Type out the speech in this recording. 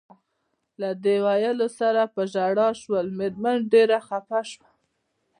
له دې ویلو سره په ژړا شول، مېرمن ډېره خپه شوه.